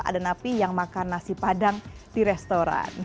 ada napi yang makan nasi padang di restoran